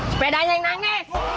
sepedanya yang nangis